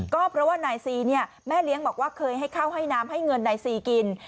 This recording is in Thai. ก็เพราะว่านายซีเนี่ยแม่เลี้ยงบอกว่าเคยให้ข้าวให้น้ำให้เงินนายซีกิน